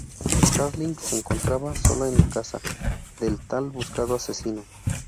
Starling se encontraba sola en la casa del tan buscado asesino.